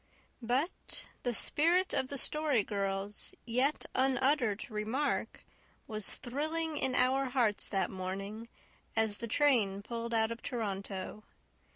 But the spirit of the Story Girl's yet unuttered remark was thrilling in our hearts that morning, as the train pulled out of Toronto.